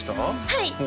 はい！